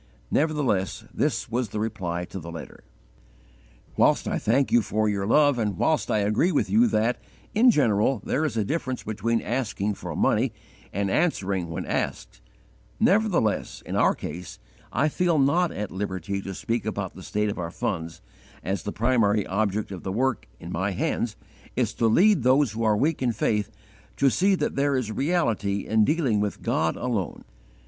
Nevertheless this was the reply to the letter: "Whilst I thank you for your love, and whilst I agree with you that, in general, there is a difference between asking for money and answering when asked, nevertheless, in our case, I feel not at liberty to speak about the state of our funds, as the primary object of the work in my hands is to lead those who are weak in faith to see that there is reality in dealing with God _alone."